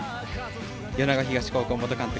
米子東高校元監督